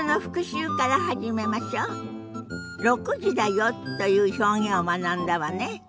「６時だよ」という表現を学んだわね。